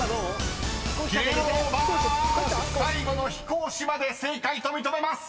［最後の「飛行士」まで正解と認めます］